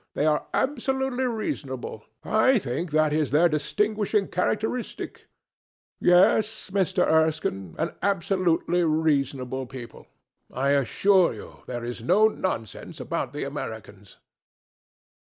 They are absolutely reasonable. I think that is their distinguishing characteristic. Yes, Mr. Erskine, an absolutely reasonable people. I assure you there is no nonsense about the Americans."